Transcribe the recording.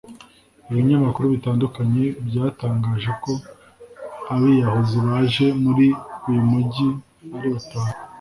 Ibinyamakuru bitandukanye byatangaje ko abiyahuzi baje muri uyu mujyi ari batanu